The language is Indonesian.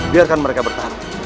biarkan mereka bertahan